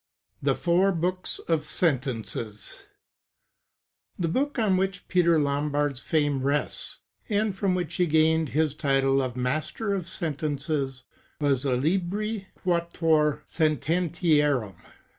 ^ 4. THE ^'fOUR books OF SENTENCES'^ The book on which Peter Lombard's fame rests, and from which he gained his title of "Master of the Sentences" was the "Libri Quatuor Sententiarum."